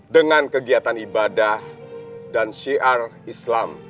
dengan kegiatan ibadah dan syiar islam